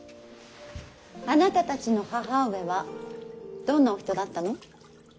あなたたちの母上はどんなお人だったの。